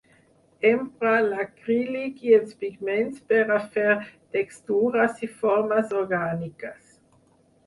Empra l’acrílic i els pigments per a fer textures i formes orgàniques.